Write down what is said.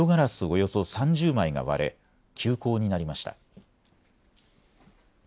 およそ３０枚が割れ休校になりました。